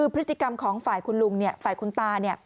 พฤติกรรมของฝ่าลูกค่ะ